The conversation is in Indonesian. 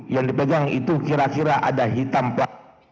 yang dipegang itu kira kira ada hitam pak